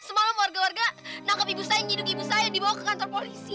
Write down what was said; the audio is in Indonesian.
semasa itu warga menangkap ibu saya nyiduk ibu saya dibawa ke kantor polisi pak